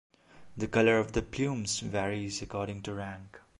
The color of the plumes varies according to rank.